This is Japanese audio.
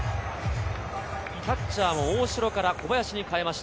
キャッチャーも大城から小林に代えました。